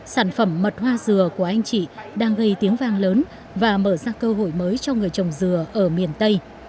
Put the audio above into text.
sản phẩm mật hoa dừa của anh chị đang gây tiếng vang lớn và mở ra cơ hội mới cho người trồng dừa ở miền tây